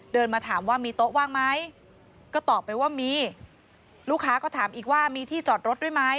เดินมาถามว่ามีโต๊ะว่างไหมก็ตอบไปว่ามีลูกค้าก็ถามอีกว่ามีที่จอดรถด้วยไหม